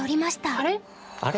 あれ？